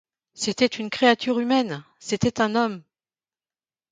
C’était une créature humaine, c’était un homme!